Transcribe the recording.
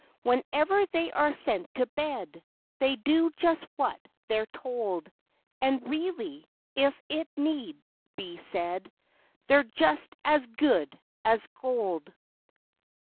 Whenever they are sent to bed, They do just what they're told, And, really, if it need be said, They're just as good as gold.